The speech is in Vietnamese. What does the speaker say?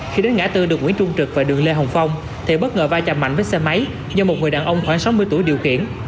khi đến ngã tư đường nguyễn trung trực và đường lê hồng phong thì bất ngờ va chạm mạnh với xe máy do một người đàn ông khoảng sáu mươi tuổi điều khiển